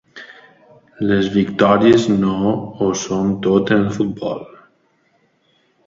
Les victòries no ho són tot en el futbol.